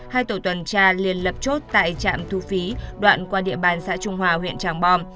hai tổ tuần tra liên lập chốt tại trạm thu phí đoạn qua địa bàn xã trung hòa huyện tràng bom